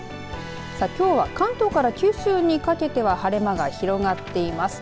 きょうは関東から九州にかけては晴れ間が広がっています。